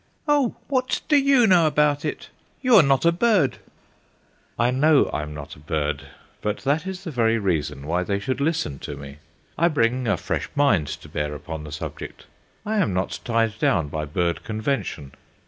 "Oh, what do you know about it? you are not a bird." I know I am not a bird, but that is the very reason why they should listen to me. I bring a fresh mind to bear upon the subject. I am not tied down by bird convention.